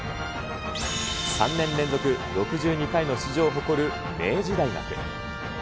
３年連続６２回の出場を誇る明治大学。